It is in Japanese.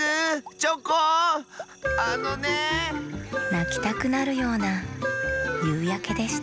なきたくなるようなゆうやけでした